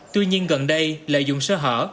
tuy nhiên gần đây lợi dụng sơ hở